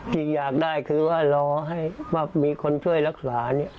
จริงอยากได้คือรอให้มีคนช่วยรักษา